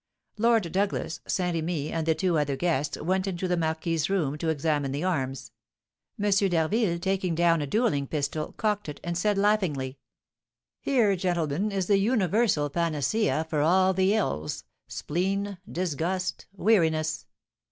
Lord Douglas, Saint Remy, and the two other guests went into the marquis's room to examine the arms. M. d'Harville, taking down a duelling pistol, cocked it, and said, laughingly: "Here, gentlemen, is the universal panacea for all the ills, spleen, disgust, weariness."